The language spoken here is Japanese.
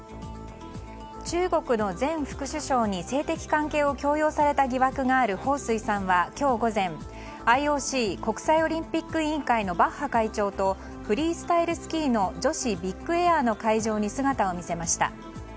中国の前副首相に性的関係を強要された疑惑があるホウ・スイさんは今日午前ＩＯＣ・国際オリンピック委員会のバッハ会長とフリースタイルスキーの女子ビッグエアの会場に姿を見せました。